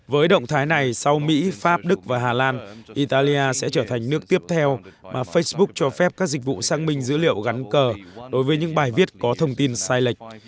với động thái này sau mỹ pháp đức và hà lan italia sẽ trở thành nước tiếp theo mà facebook cho phép các dịch vụ xác minh dữ liệu gắn cờ đối với những bài viết có thông tin sai lệch